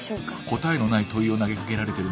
答えのない問いを投げかけられてるのか？